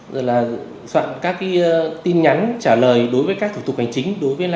rồi là soạn các tin nhắn trả lời đối với các thủ tục hành chính